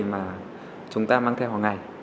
mà chúng ta mang theo hằng ngày